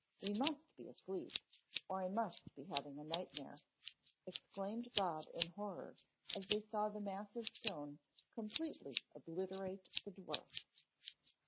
We must be asleep, or I must be having a nightmare," exclaimed Bob in horror as they saw the massive stone completely obliterate the dwarf.